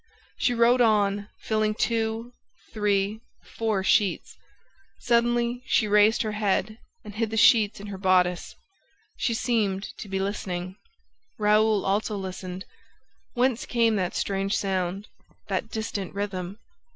She wrote on, filling two, three, four sheets. Suddenly, she raised her head and hid the sheets in her bodice ... She seemed to be listening ... Raoul also listened ... Whence came that strange sound, that distant rhythm?